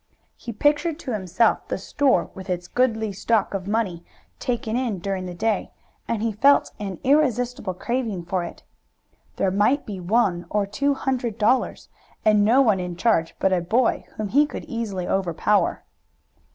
He pictured to himself the store with its goodly stock of money taken in during the day, and he felt an irresistible craving for it. There might be one or two hundred dollars, and no one in charge but a boy whom he could easily overpower.